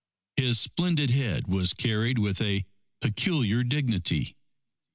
His splendid head was carried with a peculiar dignity.